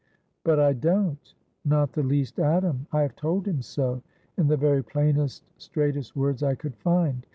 ' But I don't ; not the least atom. I have told him so in the very plainest straightest words I could find.